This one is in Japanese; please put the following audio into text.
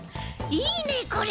いいねこれ！